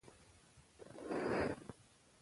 که خامک وکړو نو جامې نه ساده کیږي.